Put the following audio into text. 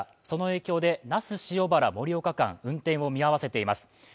その影響で那須塩原−盛岡、運転を見合わせています。